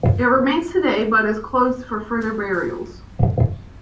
It remains today but is closed for further burials.